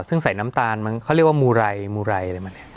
ซึ่งใส่น้ำตาลมันเขาเรียกว่ามูไรมูไรอะไรมันเนี่ย